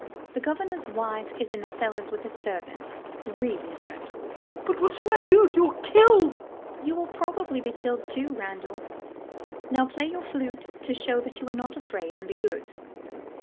The governor's wife in the cellars with the servants! Really, Randall! RANDALL. But what shall I do if you are killed? LADY UTTERWORD. You will probably be killed, too, Randall. Now play your flute to show that you are not afraid; and be good.